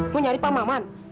mau nyari pak maman